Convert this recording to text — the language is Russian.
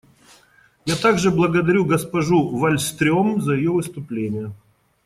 Я также благодарю госпожу Вальстрём за ее выступление.